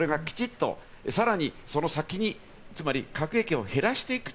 さらにその先に、つまり核兵器を減らしていく。